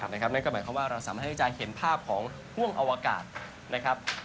นั่นก็หมายความว่าเราสามารถที่จะเห็นภาพของห่วงอวกาศนะครับ